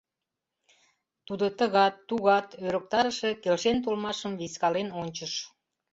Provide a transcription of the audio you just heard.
Тудо тыгат, тугат ӧрыктарыше келшен толмашым вискален ончыш.